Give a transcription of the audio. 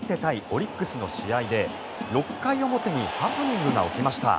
オリックスの試合で６回表にハプニングが起きました。